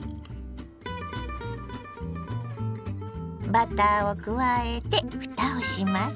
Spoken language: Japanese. バターを加えてふたをします。